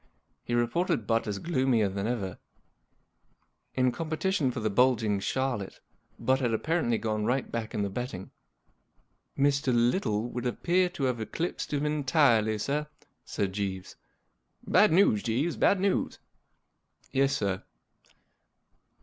He reported Butt as gloomier than ever. In the competition for the bulging Charlotte, Butt had apparently gone right back in the betting. ' Mr. Little would appear to have eclipsed him entirely, sir," said Jeeves. " Bad news, Jeeves; bad news !"" Yes, sir."